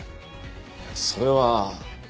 それは。